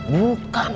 bukan atuh kum